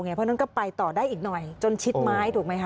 เพราะฉะนั้นก็ไปต่อได้อีกหน่อยจนชิดไม้ถูกไหมคะ